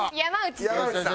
山内さん。